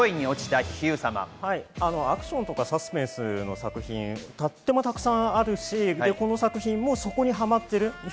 アクションとかサスペンスの作品、とってもたくさんあるし、この作品もそこにはまっています。